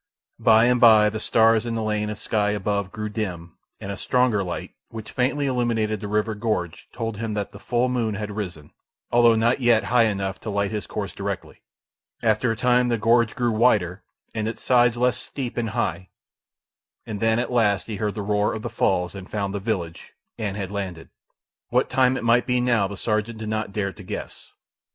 By and by the stars in the lane of sky above grew dim, and a stronger light, which faintly illuminated the river gorge, told him that the full moon had risen, although not yet high enough to light his course directly. After a time the gorge grew wider and its sides less steep and high; and then, at last, he heard the roar of the falls, and found the village, and had landed. What time it might be now the sergeant did not dare to guess.